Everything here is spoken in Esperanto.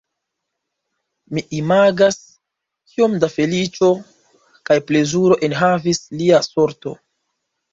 Mi imagas, kiom da feliĉo kaj plezuro enhavis lia sorto!